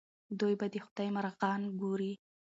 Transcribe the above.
دوی به د خدای مرغان ګوري.